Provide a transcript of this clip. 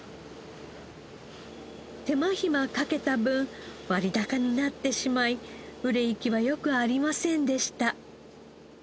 手間暇かけた分割高になってしまい売れ行きはよくありませんでした。